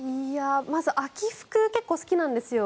まず秋服、結構好きなんですよ。